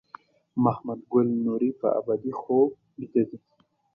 محمد ګل نوري په ابدي خوب بیده دی.